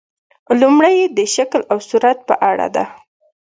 لومړۍ یې د شکل او صورت په اړه ده.